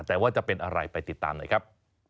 แต่ว่าจะเป็นอะไรไปติดตามหน่อยครับ